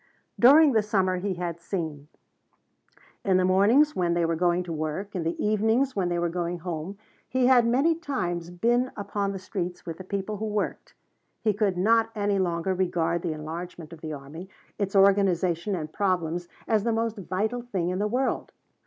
During the summer he had seen. In the mornings when they were going to work, in the evenings when they were going home, he had many times been upon the streets with the people who worked. He could not any longer regard the enlargement of the army, its organization and problems as the most vital thing in the world.